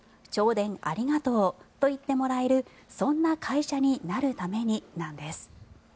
銚電ありがとう！”と言ってもらえる、そんな会社になるために」です。